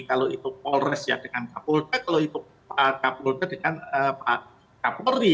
kalau itu polres ya dengan kak polri kalau itu pak kapolri dengan pak kapolri